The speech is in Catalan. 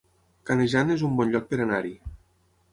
Canejan es un bon lloc per anar-hi